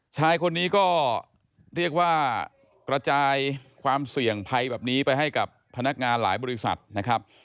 ชายคนนี้ก็เรียกว่ากระจายความเสี่ยงภัยแบบนี้ไปให้กับพนักงานหลายบริษัทนะครับ